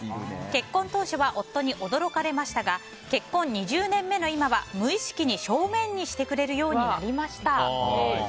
結婚当初は夫に驚かれましたが結婚２０年目の今は無意識に正面にしてくれるようになりました。